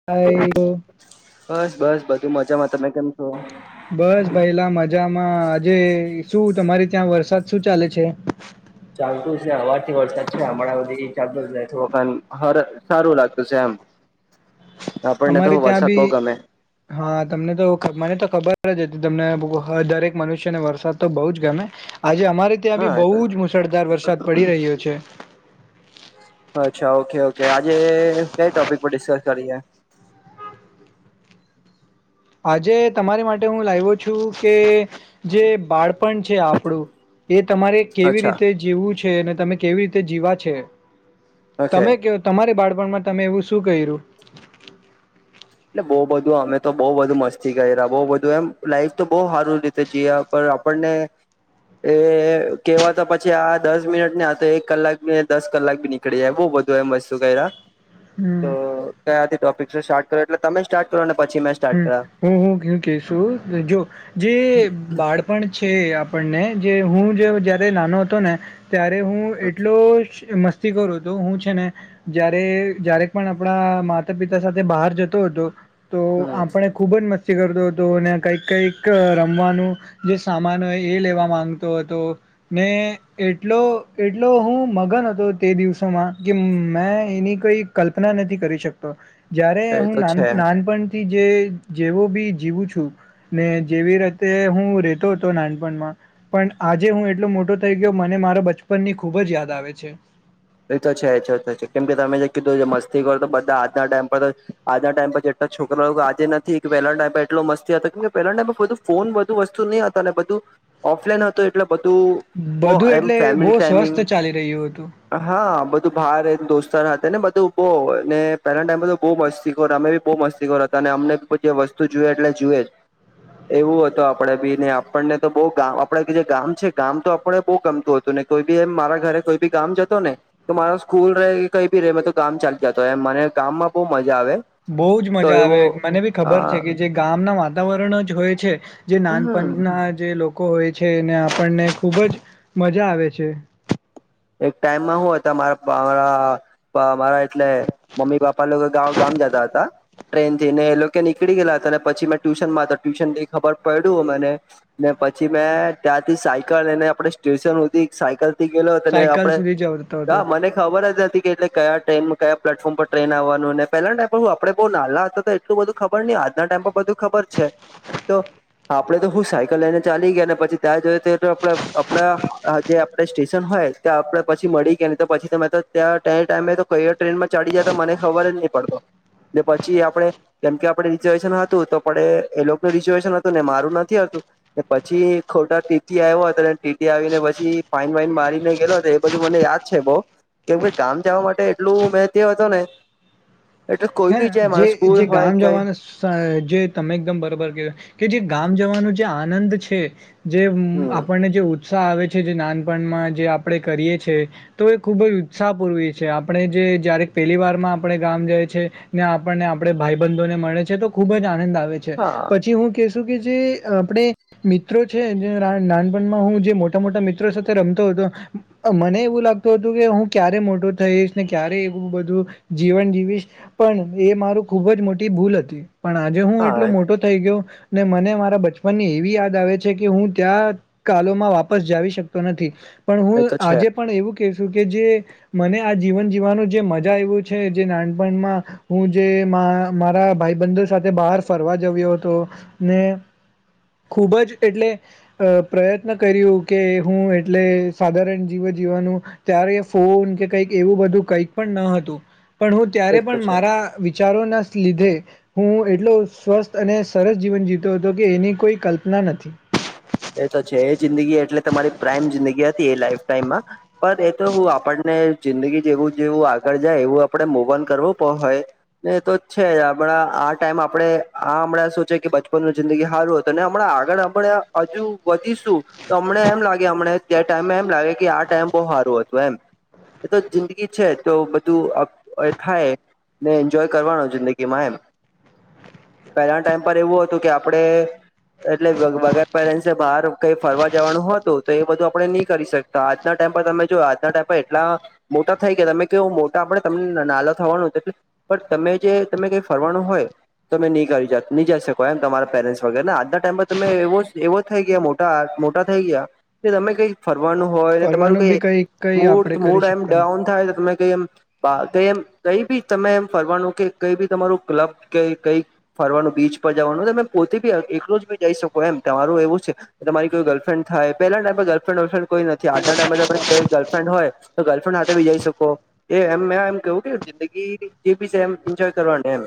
હ [unintelligible] બસ બસ બધું મજામાં તમે કેમ છો બસ ભાઈલા મજામાં આજે શું તમારી ત્યાં વરસાદ શું ચાલે છે ચાલતું હવારથી વરસાદ છે હમણાં બધી ચાલતો જ હરું સારું લાગતું છે એમ આપણને તો અમારે ત્યાં વરસાદ બઉ બી ગમે હા તમને તો મને તો ખબર જ હતી તમને દરેક મનુષ્યને વરસાદ તો બઉુ જ ગમે આજે અમારે ત્યાં હા બી એ તો બહુ જ મુશળધાર વરસાદ પડી રહ્યો છે અચ્છા ઓકે ઓકે આજે કઈ ટોપિક પર ડિસ્કસ કરીએ આજે તમારી માટે હું લાવ્યો છું કે જે બાળપણ છે આપણું એ તમારે કેવી અચ્છા રીતે જીવવું છે અને તમે કેવી રીતે જીવા છે ઓકે તમે કેવો તમારી બાળપણમાં તમે એવું શું ક્યું એટલે બઉુ બધું અમે તો બઉ બધુ મસ્તી કરી્યા બઉ બધું એમ લાઈફ તો બહ સારું જયા પર આપણને એ કેવા તો પછી આ દસ મિનિટ ને આ તો એક કલાક બી દસ કલાક બી ન પક બ બધું એ મસ્તું કયરા હમ્મ કયાથી ટોપિક થી સ્ટાર્ટ કરો એટલે તમે સ્ટાર્ટ કરો પછી મેં સ્ટા હમ્મ હું હું કેશુ જો જે બાળપણ છે આપણને જે હું જયારે નાનો હતો ને ત્યારે હું એટલો મસ્તી કરું હતો હું છે ને જય્યારે જય્યારે પણ આપણા માતા પિતા સાથે બહાર જતો હતો તો હમ આપણે ખૂબ જ મસ્તી કરતો હતો અને કંઈક કંઈક રમવાનું જે સામાન હોય એ લેવા માંગતો હતો ને એટલો એટલો હું મગન હતો તે દિવસોમાં કે મેં એની કોઈ કલ્પના નથી કરી શકતો જય્યારે એ તો હું છે નાનપણ થી જે જેવો બી જીવું છું ને જેવી રીતે હું રતો હતો નાનપણમાં પણ આજે હું એટલો મોટો થઇ ગયો મને મારા બચપનની ખુબ જ યાદ આવે છે એ તો છે છે કેમ કે તમે જે કીધું મસ્તી કરો તો બધા આજના ટાઈમ પર તો આજના ટાઈમ પર જેટલા છોકરાઓ આજે નથી પલા ટાઈમ એટલો મસ્તી હતો કેમ કે પહેલા ના લોકો તો ફોન બધું વસ્તુ ની હતા અને બધું ઓફલાઈન હતું એટલે બધું બો બધું એમ એટલે બહુ ફેમિલી ટાઈમિંગ સ્વસ્થ ચાલી રહ્યું હતું હા બધું ભાર દોસ્તાર હતા ને બધું બો ને પહેલા ટાઈમે તો બહુ મસ્તી ખોર અમે બહુ મસ્તી ખોર હતા અને અમને બીધી વસ્તુ જુએ એટલે જુએ જ એવું હત આપડે બી ને આપણને તો બહ આપડે કે જે ગામ છે ગામ તો આપણે બહુ ગમતું હતું તને કોઈ બી એ મારા ઘરે કોઈ બી કામ જ ને તો મારો સ્કૂલ ર કે કઈ બી ર મે તો ગામ ચાલલી જતો હોય એમ મને ગામમાં બહુ મજા આવે બહુ જ તો મજા આવે એવો મને બી અ ખબર છે કે જે ગામના વાતાવરણ જ હોય છે જે હમ નાનપણના જે લોકો હોય છે એને આપણને ખૂબ જ મજા આવે છે એક ટાઈમમાં હું ત મારા મારા એટલે મમ્મી પપ્પા લોકો ગ ગામ જતા હતા ટ્રેન થી ને એ લોકો નીકળી ગયલા હતા અને પછી મેં ટ્યુશન માં હતા ટ્યુશન થી ખબર પડ્યું મને ને પછી મેં ત્યાંથી સાયકલ એને આપડે સ્ટેશન સુધી સાયકલ થી ગેલો ને સાયકલ આપડણે સુધી જતો હા હતો મને ખબર જ નથી કે એટલે કયા ટ્રેનમાં કયા પ્લેટફોર્મ પર ટ્રેન આવવાનું અને પેલા ટ પર હું આપણે બહુ નાલા હતા બધું ખબર નહ આજના ટાઈમ પર બધું ખબર છે તો હા આપડે તો હું સાયકલ લઈને ચાલી ગયા ને પછી ત્યાં જોઈએ ત આપ આપડા જે આપડ સ્ટેશન હોય ત્યાં આપડ પછી મળી ગયા ને તો પછી તમે તો ત્યાં ટાઈમે તો કઈ ટ્રેનમાં ચાડી જાય તો મને ખબર જ નહી પડતો લે પછી આપણે કેમ કે આપણે રિઝર્વેશન હતું તો પણે એ લોકોનું રિઝર્વેશન હતું ને મારું નથી હતું પછી ખોટા ટીટી આવ્યા હતા ટીટી આવીને પછી ફાઈન વાઈન મારીને લો હતો એ બધું મને યાદ છે બઉ કેમ કે ગામ જવા માટે એટલું મેં તે હતો ને [unintelligible] એટલે કોઈ હે બી જાય જે મારો જે સ્કૂલ હોય ગામ કઈ જવાનું જે તમે એકદમ બરોબર ક કે જે ગામ જવાનું જે આનંદ છે જે હમ આપણને જે ઉત્સાહ આવે છે જે નાનપણમાં જે આપણે કરીએ છી તો એ ખૂબજ ઉત્સાહ પૂર્વી છે આપણે જે જ્યારેક પહેલી વારમાં આપણે ગામ જાય છે ને આપણને આપણે ભાઈબંધોને મળે છે તો ખુબજ આનંદ આવે છે હા પછી હું કેશ કે જે આપણે મિત્રો છે જે નાનપણમાં હું જે મોટા મોટા મિત્રો સાથે રમતો હતો મને એવું લાગતું હતું કે હું ક્યારે મોટો થઈશ ને ક્યારે એવું બધું જીવન જીવીશ પણ એ મારું ખુબજ મોટી ભૂલ હતી પણ આજે હું એટલો હા મોટો થઈ ગયો ને મને મારા બચપનની એવી યાદ આવે છે કે હું ત્યાં કાલમાં વાપસ જાવ શકતો નથી પણ એ હું તો છે આજે પણ એવું કશુંકે જે મને આ જીવન જીવવાનું જે મજા આવું છે જે નાનપણમાં હું જે મારા ભાઈબંધુ સાથે બહાર ફરવા જવ્યો હતોને ખૂબજ એટલે પ્રયત્ન કર્યુંકે હું એટલે સાધારણ જીવ જીવવાનું ત્યારે ફોન કે કંઈક એવું બધું કંઈક પણ ન હતું પણ હું એ ત્યારે તો પણ છે મારા ચારોના લીધે હું એટલો સ્વસ્થ અને સરસ જીવન જીતો હતો કે એની કોઈ કલ્પના નથી એ તો છે એ જિંદગી એટલે તમારી પ્રાઇમ જિંદગી હતી એ લાઈફ ટાઈમમાં પણ એ તો હું આપણને જિંદગી જેવું જેવું આગળ જાય એવું આપડણે મોવન કરવું હોય એ તો છે જણા આ ટાઈમ આપડે આ હમણાં શું છે કે બચપનનું જિંદગી સારું હતું ત હમણાં આગળ હમણા હજુ વધીશું તો હમને એમ લાગે અમને જે ટાઈમેમાં એમ લાગે કે આ ટાઈમ બહુ સારું હતું એમ [unintelligible] એ તો જિંદગી છે તો બધું થાય ને એન્જોય કરવાનો જિંદગીમાં એમ પહેલા ટાઈમ પર એવું હતું કે આપડે એટલે વગર પેરેન્ટ્સ બહાર કઈ ફરવા જવાનું હતું તો એ બધું આપડે નહી કરી શકતા આજના ટાઈમ પર તમે જો આજના ટાઈમ એટલા મોટા થઈ ગયા તમે કેવું મોટા આપડે તમને નાના થવાનું એટલે પણ તમે જે તમે કઈ ફરવાનું હોય તમે નહી કરીહી જઈ શકો એમ તમારા પેરેન્ટસ વગેરે આજના ટાઈમ પર તમે એવો એવો થઈ ગયા મોટા મોટા થઈ ગયા એ તમે કઈ ફરવાનું હોય તમારું ફરવાનું કઈ બી કઈ મૂડ આપણે કરી મૂડ એમ શકતા નહી ડાઉન થાય તો તમે એમ એમ કઈ બી તમે એમ ફરવાનુંકે કઈબી તમારું ક્લબ કે કઈ ફરવાનું બીચ પર જવાનું તમે પોતે બી એક રોજ બી જઈ શકો એમ તમારું એવું છે તમારી કોઈ ગર્લફ્રેન્ડ થાય પલા ટાઈમેમાં ગર્લફ્રેન્ વર્લફ્રેન્ડ કોઈ નથી આજના ટાઈમે તમારિ ગર્લફ્રેન્ડ હોય તો ગર્લફ્રેન્ડ હાથે ભી જઈ શકો એ એમ મે એમ કેવું કે જિંદગી જે બી છે એમ એન્જોય કરવાની એમ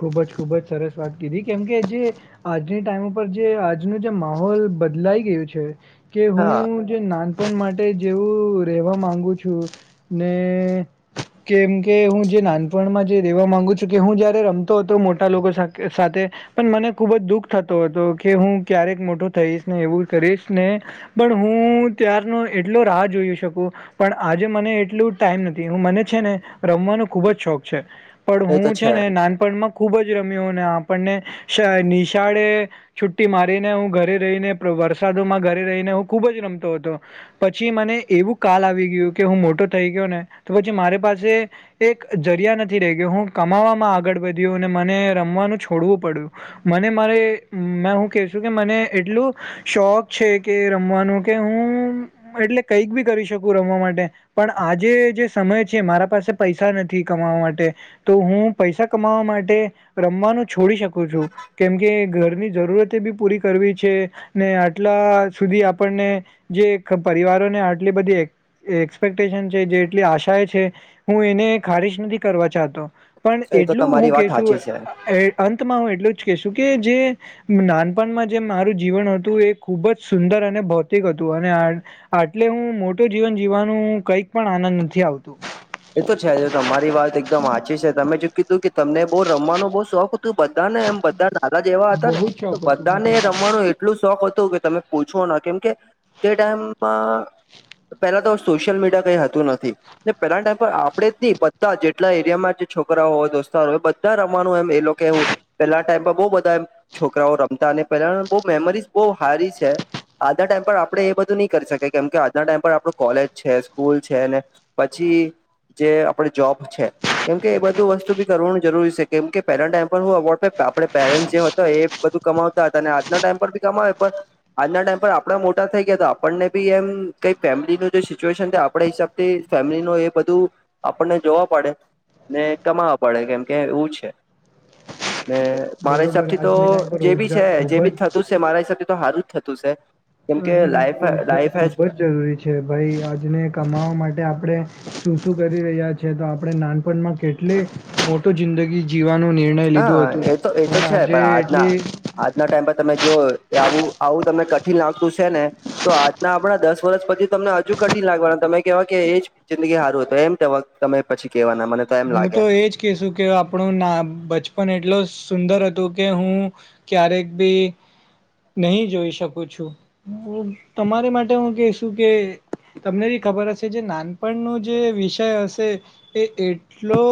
ખૂબજ ખૂબજ સરસ વાત કીધી કેમકે જે આજની ટાઈમ ઉપર જે આજનું જે માહોલ બદલાઈ ગયું છે કે હા હું જે નાનપણ માટે જેવું રેવા માંગુ છું ને કેમકે હું જે નાનપણમાં જે રેવા માંગુ છું કે હું જયારે રમ તો હતો મોટા લોકો સાથે સાથે તો પણ મને ખુબજ દુઃખ થતો હતો કે હું ક્યારેક મોટો થઈશ ને એવું કરીશ ને પણ હું ત્યારનો એટલો રાહ જોઈ શકું પણ આજે મને એટલું ટાઈમ નથી હું મને છે ને રમવાનો ખુબજ શોખ છે. પણ એ તો હું છે ને નાનપણમાં ખુબજ રમ્યો આપણને શા નિશાળે છુટ્ટી મારીને હું ઘરે રહીને વરસાદોમાં ઘરે રહીને હું ખુબજ રમતો હતો પછી મને એવું કાલ આવી ગયું કે હું મોટો થઈ ગયો ને તો પછી મારી પાસે એક જરિયા નથી રહી ગયો હું કમાવામાં આગળ વધ્યું અને મને રમવાનું છોડવું પડ્યું મને મારે મે હું કેશું કે મને એટલું શોખ છે કે રમવાનું કે હું એટલે કઈક બી કરી શકું રમવા માટે પણ આજે જે સમય છે મારા પાસે પૈસા નથી કમાવા માટે તો હું પૈસા કમાવા માટે રમવાનું છોડી શકું છું. કેમકે ઘરની જરૂરતે બી પૂરી કરવી છે ને આટલા સુધી આપણને જે પરિવારો ને આટલી બધી એ એક્સપેક્ટેશન છે, જેટલી આશા છે, હું એને ખારિજ નથી કરવા ચાહતો પણ એ તો એટલું હું તમારી વાત કશું સાચી છે અંતમાં હું એટલું જ કેશું કે જે નાનપણમાં જે મારું જીવન હતું એ ખુબ જ સુંદર અને ભૌતિક હતું અને આટલે હું મોટું જીવન જીવવાનું કઈક પણ આનંદ નથી આવતું એ તો છે તમારી વાત એકદમ હાચી છે તમે જો કીધું કે તમને બહુ રમવાનો બહુ શોખ બધાને એમ બધા નાના જે એવા હતા બહુ ને જ તો શોખ બધાને હતું રમવાનું એ ટલું શોખ હતું કે તમે પૂછો ના કેમ કે તે ટાઈમમાં પેલા તો સોશિયલ મીડિયા કઈ હતું નથી પેલા ટાઈમ પણ આપડે બધા જેટલા એરિયામાં જે છોકરાઓ હોય દોસ્તારો હોય બધા રમવાનું એમ એ લોકો કેવું પેલા ટાઈમમાં બહુ બધા છોકરાઓ રમતા અને પેલા બહુ મેમરીઝ બહુ હારી છે. આજના ટાઈમ પર આપડે એ બધું નહી કરી શકી કેમ કે આજના ટાઈમ પર આપણું કોલેજ છે, સ્કૂલ છે, ને પછી જે આપડે જોબ છે. કેમ કે એ બધું વસ્તુ બી કરવાનું જરૂરી છે, કેમ કે પહેલા ટાઈમ પર હું અવોર્ડ આપણે પેરેન્ટ્ જે હતો એ બધું કમાવતા હતા અને આજના ટાઈમ પર બી કમાવે પણ આજના ટાઈમ પર આપણા મોટા થઈ ગયા હતા આપણને બી એમ કઈ ફેમિલીનું જે સિચ્યુએશન આપ હિસાબથી ફેમિલી ન એ બધું આપણને જોવા પડે ને કમાવવા પડે કેમ કે એવું છે. ને મારા હિસાબ બરોબર થી તો આજની ટાઈમ પર જે ભી રોજગાર છે, જે ખૂબ બી જ થતું છે મારા હીસાબ થી તો હારું જ થતું છે. અજ કેમકે ટાઈમ લાઈફ રોજગાર લાઈફ હેઝ ખુબ જ જરૂરી છે. છે ભાઈ આજને કમાવા માટે આપણે શું શું કરી રહ્યા છે તો આપણે નાનપણમાં કેટ લી મોટું જિંદગી જીવવાનો નિર્ણય લીધો હા હતું એ તો એ પણ તો છે આજે આજના એટલી આજના ટાઈમ પર તમે જો આવું આવું તમને કઠિન લાગતું છે ને તો આજના આપણા દસ વર્ષ પછી તમને હજુ કઠિન લાગવાના તમે કેહેવાય કે એજ જિંદગી સારું હૂત એમ કે તમે પછી કેહેવાના મને એમ હું લાગે તો એજ કેશુ કે આપણો ના બચપન એટલો સુંદર હતું કે હું ક્યારેક ભી નહી જોઈ શકું છું તમારી માટે હું કેશું કે તમને બી ખબર હશે જે નાનપણ નો જે વિષય હશે એટ ટલો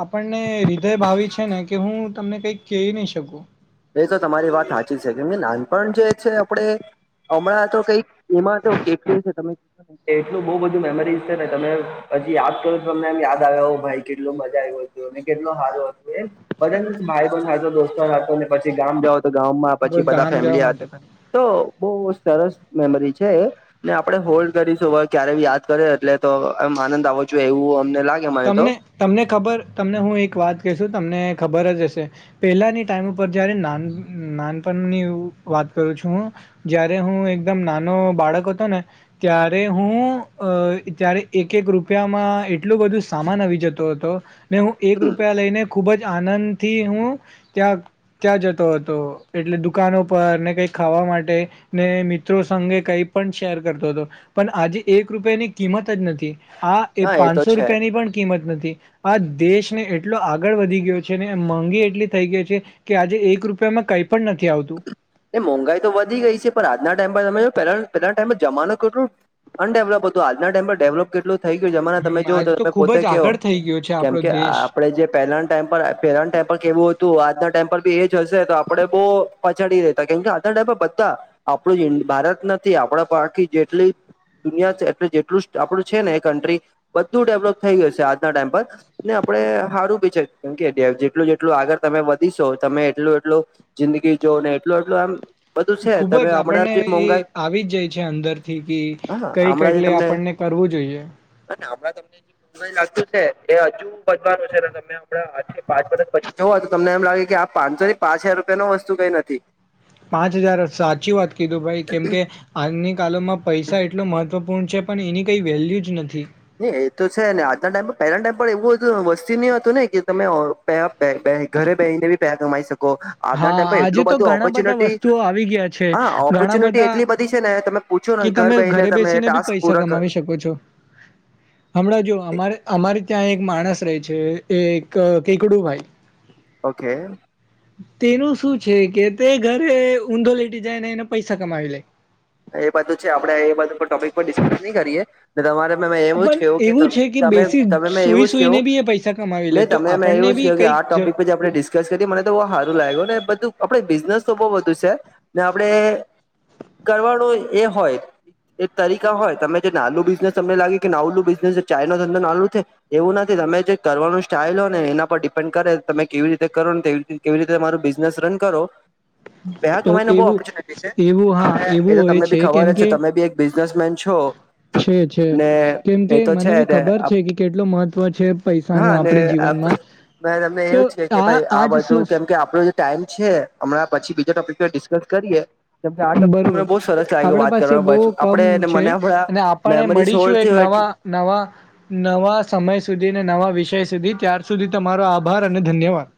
આપ પણને હૃદય ભાવી છે, ને કે હું તમને કંઈક કહી નહી શકું. એ તો તમારી વાત સાચી છે, કેમકે નાનપણ જે છે, આપણે હમણાં તો કઈક એમાં તો કેટલી છે, તમે એટલું બહુ બધું મેમરીઝ છે, ને તમે પછી યાદ કરો તમને એમ યાદ આવ્યા હો ભાઈ કેટલ મજા આવ કેટલો સારો હતો એ બધા ભાઈ પણ સાચો દોસ્તો ને પછી ગામ જાવ ગમાં પછી બધા ગામ જવા ફેમિલી, માટે પણ તો બહુ સરસ મેમરી છે. ને આપડણે હોલ્ડ કરીશું હવે ક્યારેય યાદ કરે એટલે તો એમ આનંદ આવો જોએ એવું અમને લાગ તમને તમને ખબર તમને હું એક વાત કહેશું તમને ખબર જ હશે પેલાની ટાઈમ ઉપર જયારે નાન નાનપણની વાત કરું છું હું જયારે હું એકદમ નાનો બાળક હતો ને ત્યારે હું અ ત્યારે એક એક રૂપિયામાં એટલું બધું સામાન આવી જતો હતો ને હું એક હમ રૂપિયા લઈને ખુબ જ આનંદથી હું ત્યાં ત્યાં જતો હતો એટલે દુકાનો પર ને કઈ ખાવા માટે ને મિત્રો સંગે કઈ પણ શેર કરતો હતો. પણ આજે એક રૂપિયાની કિંમત જ નથી, આ એ હા તો પાંચસો છે રૂપિયાની પણ કિંમત નથી. આ દેશને એટલો આગળ વધી ગયો છે, ને મોંઘી એટલી થઈ ગઈ છે. કે આજે એક રૂપિયામાં કઈ પણ નથી આવતું. એ મોંઘાઈ તો વધી ગઈ છે, પણ આજના ટાઈમ પર તમે જો પેહલા પહેલા ટાઈમમાં જમાનું કેટલુ અન ડેવલપ હતો આજના ટાઈમ પર ડેવલપ કેટલું થઈ ગયું છે જમા તમે હમ જો આજ તો તમે ખુબ પોતે જ કેહો આગળ થઈ ગયો છે આપણો કેમકે દેશ આપડણે જે પહેલાના ટાઈમ પર પહેલાના ટેમ પર કેવું હતું આજના ટાઇમ પલ બી એ જ હશે તો આપડે બહુ પછડી રેહ કેમકે આ ટાઈપ બધા આપણું ભારત નથી આપણા પાખી જેટલી દુનિયા એટલે જેટલું આપણું છે, ને એ કન્ટ્રી બધું ડેવલોપ થઈ ગય છે, આજના ટાઈમ પર ને આપડણે સારું બી છે, કેમ કે જેટલું જેટલું આગળ તમે વધીશો તમે એટલું એટલું જિંદગી જો ને એટલું એટલું આમ બધું છે ખુબ તમે જ હમણાં આપણને જે એ મોંઘાઈ આવી જ જાય છે અંદરથી કે હા કઈક હમણાં જે એટલે તમને આપણને કરવું જોઈએ અને હણાં તમને મ લાગતું છે એ હજુ બજવાનું છે તમને આપણા આજ થી પાંચ વર્ષ પછી જોઓ તો તમને એમ લાગે કે આ પાંચસોથી પાંચ હાર રૂપિયા નો વસ્તુ કંઈ નથી પાંચ હજાર સાચી વાત કીધું ભાઈ કેમકે આજની કાલમાં પૈસા એટલો મહત્ત્વપૂર્ણ છે પણ એની કંઈ વેલ્યુ જ નથી એ તો છે, ને આજના ટાઈમ પર પહેલા ટાઈમ પર એવું વસ્તી નહી હતું ને કે તમે પ ઘરે બેહીને બી પેહા કમાઈ શકો આજના હા ટાઈમ પર આજે એટલું તો બધું ઘણા બધા ઓપોર્ચ્યુનિટી, વસ્તુઓ આવી ગયા છે હા ઘણા ઓપોર્ચ્યુનિટી બધા એટલી બધી છે ને તમે પૂછો કે ને ઘર તમે બેહીને ઘરે તમે બેસીને બી ટાસ્ક પૈસા પૂરા કર કમાવી શકો છો. હમણાં જો અમારે અમારે ત્યાં એક માણસ રહે છે એક કેકડું ભાઈ ઓકે. તેનું શું છે, કે તે ઘરે ઊંધો લેટી જાય ને એને પૈસા કમાવી લે એ બાજે છે આપણેે એ બાત ટોપિક પણ ડિસ્કસ નહી કરીયએ તમારે મેં મેં એવું જ પણ કહું એવું છે કે કેમે બેસી તમે મેં સુઈ એવું જ સુઈને કહું બી એ પૈસા કમાવી ને લે તો તમે મેં આપણને એવું જ બી કહ કે કઈક આ જ ટોપિક પ આપણે ડિસ્કસ કરી મને તો બહુ સારું લાગ્યું ને બધું આપડે બિઝનેસ તો બહુ બધું છે ને આપડણે કરવાનો એ હોય એક તરીકા હોય તમે જે નાનું બિઝનેસ તમને લાગે કે નાવુલું બિઝનેસ ચાય નો ધંધો નાલું થે એવું નથી તમે જે કરવાનું સ્ટાઈઇલ હોય ને એના પર ડિપેન્ડ કરે તમે કેવી રીતે કરો તેવી રી કેવી રીતે તમારું બિઝનેસ રન કરો. પૈસા તો કમાઈને બહુ એવું ઓપોર્ચ્યુનિટી છે એવું હા, એવું હોય છે, કેમ કે ત બી એક બિઝનેસમેન છો છે, છે, ને કેમ કે એ તો મને છે બી ને ખબર છે, કે કેટલું મહત્વ છે પૈસા નુ આપડે જીવનમાં. મે તમને તો એવું જ છે, કે ભાઈ આ આજ બધું કેમ કે આપડું ટાઈમ છે, હમણાં પછી બીજા ટોપિક ડિસ્કસ કરીએ, કેમકે આ ટપ બરોબર મને બહુ સરસ લાગે આપણા વાત પાસે બહુ કરવાવામાં બ કમ આપડે છે મને આપણા અને આપણે મેમરીઝ મળીશું હોર્ડ એક થયો એટ નવા નવા. નવા સમય સુધી અને નવા વિષય સુધી ત્યાર સુધી તમારો આભાર અને ધન્યવાદ.